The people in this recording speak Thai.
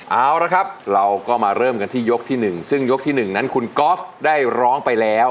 เอาละครับเราก็มาเริ่มกันที่ยกที่๑ซึ่งยกที่๑นั้นคุณก๊อฟได้ร้องไปแล้ว